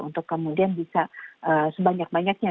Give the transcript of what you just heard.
untuk kemudian bisa sebanyak banyaknya